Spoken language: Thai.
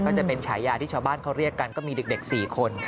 ก็จะเป็นฉายาที่ชาวบ้านเขาเรียกกันก็มีเด็ก๔คน